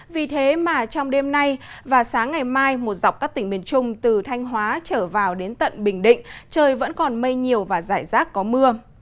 vì thế mà trong đêm nay và sáng ngày mai một dọc các tỉnh miền trung từ thanh hóa trở vào đến tận bình định trời vẫn còn mây nhiều và giải rác có mưa